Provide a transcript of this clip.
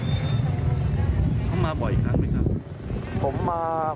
เขามาบ่อยอย่างนั้นไหมครับ